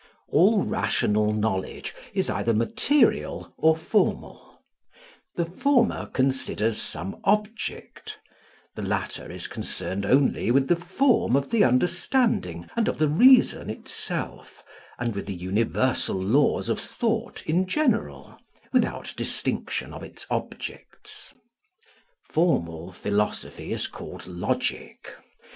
All rational knowledge is either material or formal: the former considers some object, the latter is concerned only with the form of the understanding and of the reason itself, and with the universal laws of thought in general without distinction of its objects. Formal philosophy is called logic.